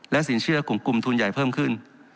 สินเชื่อกลุ่มทุนใหญ่เพิ่มขึ้น